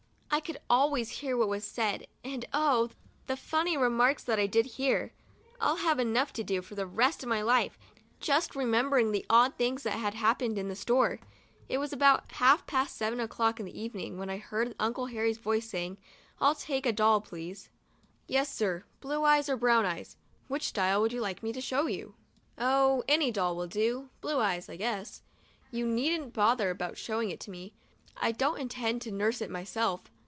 I could always hear what was said, and, oh ! the funny remarks that I did hear ! I'll have enough to do, for the rest of my life, just remembering the odd things that happened in that store! It was about half past seven o'clock in the evening when I heard Uncle Harry's voice, saying: "I'd like a doll, please." 11 THE DIARY OF A BIRTHDAY DOLL "Yes, sir! Blue eyes or brown eyes? Which style would you like me to show you?" "Oh, any doll will do. Blue eyes, I guess. You needn't bother about showing it to me, I don't intend to nurse it myself.